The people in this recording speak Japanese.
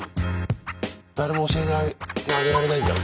誰も教えてあげられないじゃん。